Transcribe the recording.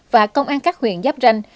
và công an các huyện giáp ranh